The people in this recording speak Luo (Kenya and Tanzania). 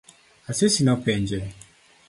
Asisi nopenje?